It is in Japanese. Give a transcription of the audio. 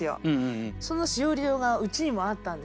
その枝折戸がうちにもあったんですね。